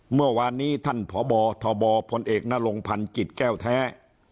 เมื่อวานนี้ท่านพบทบพลเอกนรงพันธ์จิตแก้วแท้